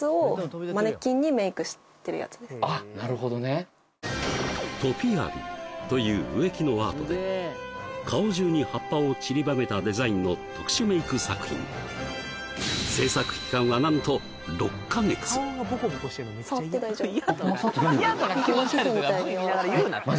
いやトピアリーという植木のアートで顔中に葉っぱをちりばめたデザインの特殊メイク作品なんとあっホンマ